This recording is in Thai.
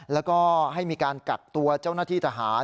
แล้วก็ให้มีการกักตัวเจ้าหน้าที่ทหาร